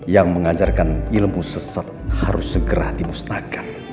yang mengajarkan ilmu sesat harus segera dimusnahkan